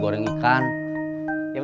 ada satu keandungan robek samaran